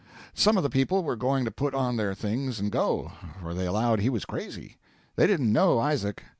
Some of the people were going to put on their things and go, for they allowed he was crazy. They didn't know Isaac.